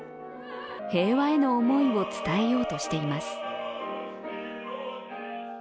平和への思いを伝えようとしています。